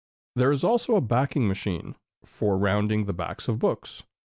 There is also a backing machine, for rounding the backs of books.